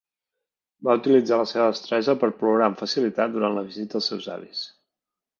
Va utilitzar la seva destresa per plorar amb facilitat durant la visita als seus avis.